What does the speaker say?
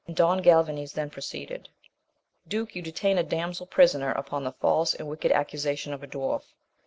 And Don Galvanes then proceeded : Duke, you detain a damsel prisoner upon the false and wicked accusation of a dwarf.